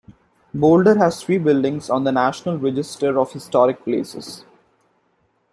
Boulder has three buildings on the National Register of Historic Places.